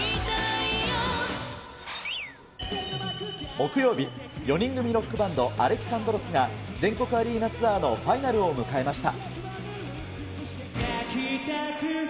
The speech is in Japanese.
木曜日、４人組ロックバンド、［Ａｌｅｘａｎｄｒｏｓ］が、全国アリーナツアーのファイナルを迎えました。